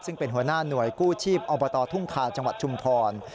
ซึ่งเป็นหัวหน้าหน่วยกู้ชีพอบตทุ่งคาจังหวัดชุมพร